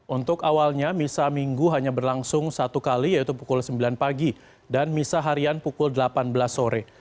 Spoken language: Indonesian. untuk awalnya misa minggu hanya berlangsung satu kali yaitu pukul sembilan pagi dan misa harian pukul delapan belas sore